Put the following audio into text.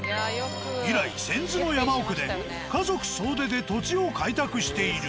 以来泉津の山奥で家族総出で土地を開拓している。